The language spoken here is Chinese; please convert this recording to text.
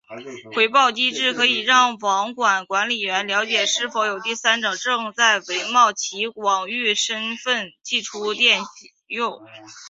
回报机制可以让网域管理员了解是否有第三者正在伪冒其网域身份寄出电邮。